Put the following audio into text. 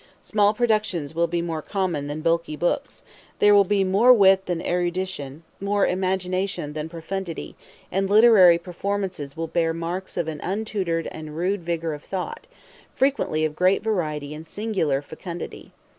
Small productions will be more common than bulky books; there will be more wit than erudition, more imagination than profundity; and literary performances will bear marks of an untutored and rude vigor of thought frequently of great variety and singular fecundity.